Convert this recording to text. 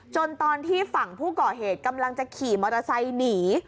ตอนที่ฝั่งผู้ก่อเหตุกำลังจะขี่มอเตอร์ไซค์หนี